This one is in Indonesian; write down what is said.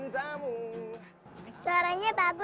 tak berada di dekatmu